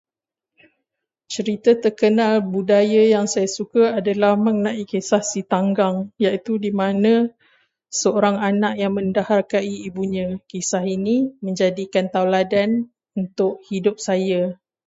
Cerita terkenal budaya yang saya suka adalah mengenai adalah kisah Si Tanggang. Iaitu di mana seorang anak menderhakai ibunya. Kisah ini menjadikan taudalan untuk hidup saya.